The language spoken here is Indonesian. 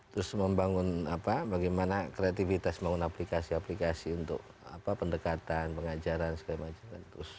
terus membangun bagaimana kreativitas membangun aplikasi aplikasi untuk pendekatan pengajaran segala macam